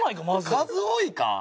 数多いか？